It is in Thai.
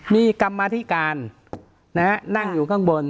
มีกรรมธิการนั่งอยู่ข้างบน